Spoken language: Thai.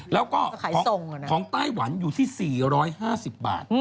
แล้วก็ของไต้หวันอยู่ที่๔๕๐บาท